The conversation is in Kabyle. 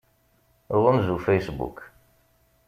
Ɣunzu Facebook.